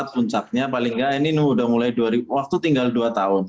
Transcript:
dua ribu dua puluh empat puncaknya paling enggak ini udah mulai waktu tinggal dua tahun